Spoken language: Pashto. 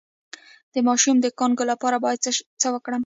د ماشوم د کانګو لپاره باید څه وکړم؟